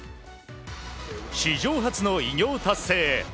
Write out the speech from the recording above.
史上初の偉業達成へ。